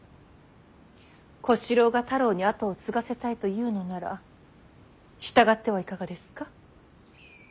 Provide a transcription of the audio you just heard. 小四郎が太郎に跡を継がせたいというのなら従ってはいかがですか。